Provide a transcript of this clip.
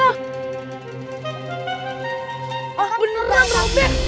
oh beneran bro